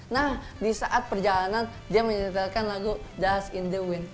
nah di saat perjalanan dia menyediakan lagu dust in the wind